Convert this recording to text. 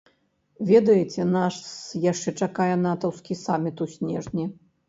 Ведаеце, нас яшчэ чакае натаўскі саміт у снежні.